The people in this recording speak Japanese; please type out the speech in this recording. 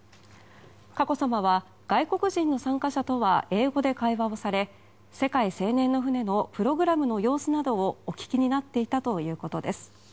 佳子さまは外国人の参加者とは英語で会話をされ世界青年の船のプログラムの様子などをお聞きになっていたということです。